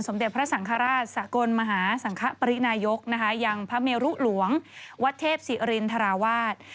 เด็จพระสังฆราชสกลมหาสังคปรินายกนะคะยังพระเมรุหลวงวัดเทพศิรินทราวาส